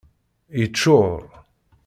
Yeččur.